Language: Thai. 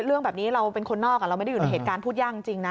เรื่องแบบนี้เราเป็นคนนอกเราไม่ได้อยู่ในเหตุการณ์พูดยากจริงนะ